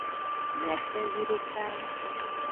Miacen videka.